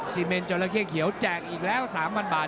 เมนจราเข้เขียวแจกอีกแล้ว๓๐๐บาท